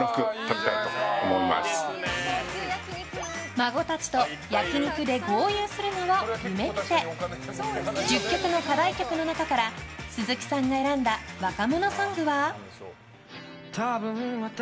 孫たちと焼き肉で豪遊するのを夢見て１０曲の課題曲の中から鈴木さんが選んだ若者ソングは？